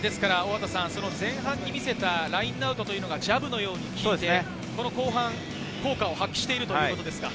前半に見せたラインアウトというのがジャブのように効いて、この後半、効果を発揮しているということですか？